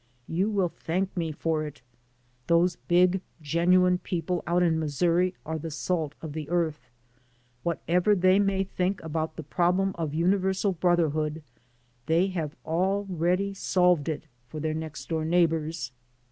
You will thank me for it. Those big, genuine people out in Missouri are the salt of the earth. Whatever they may think about the problem of uni versal brotherhood, they have already solved it for their next door neighbors.